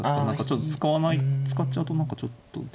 何かちょっと使っちゃうと何かちょっと。